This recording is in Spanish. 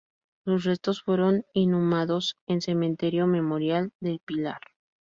Sus restos fueron inhumados en cementerio Memorial de Pilar.